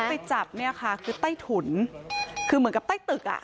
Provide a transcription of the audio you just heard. ไปจับเนี่ยค่ะคือใต้ถุนคือเหมือนกับใต้ตึกอ่ะ